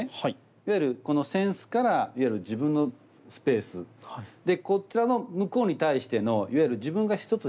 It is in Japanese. いわゆるこの扇子からいわゆる自分のスペースでこちらの向こうに対してのいわゆる自分がひとつ